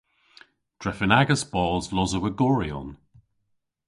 Drefen agas bos Losowegoryon.